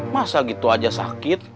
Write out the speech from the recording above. masa gitu saja sakit